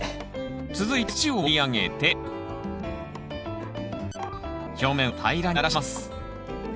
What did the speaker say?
続いて土を盛り上げて表面を平らにならします。